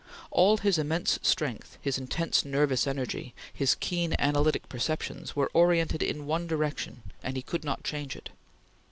All his immense strength, his intense nervous energy, his keen analytic perceptions, were oriented in one direction, and he could not change it.